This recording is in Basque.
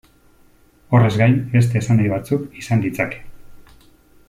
Horrez gain, beste esanahi batzuk izan ditzake.